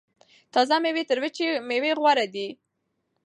تازه میوه تر وچې میوې غوره ده.